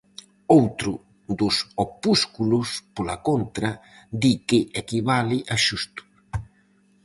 Outro dos opúsculos, pola contra, di que equivale a "xusto".